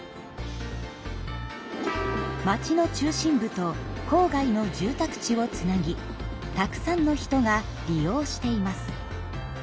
町の中心部と郊外の住宅地をつなぎたくさんの人が利用しています。